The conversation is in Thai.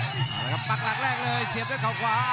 แล้วก็ปลักหลักแรกเลยเสียบด้วยข่าวขวา